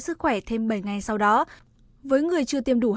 sức khỏe thêm bảy ngày sau đó với người chưa tiêm đủ